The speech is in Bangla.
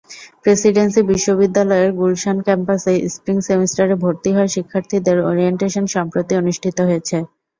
প্রেসিডেন্সি বিশ্ববিদ্যালয়ের গুলশান ক্যাম্পাসে স্প্রিং সেমিস্টারে ভর্তি হওয়া শিক্ষার্থীদের ওরিয়েন্টেশন সম্প্রতি অনুষ্ঠিত হয়েছে।